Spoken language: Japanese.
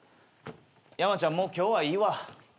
ヤマちゃんもう今日はいいわ。